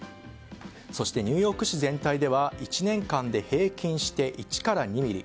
そして、ニューヨーク市全体では１年間で平均して１から２ｍｍ。